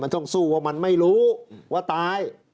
ต้องสู้ว่ามันไม่รู้ว่าตาย